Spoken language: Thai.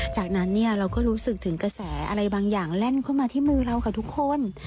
จากนั้นเนี่ยเราก็รู้สึกถึงกระแสอะไรบางอย่างแล่นเข้ามาที่มือเรากับทุกคน